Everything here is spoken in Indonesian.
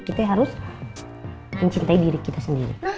kita harus mencintai diri kita sendiri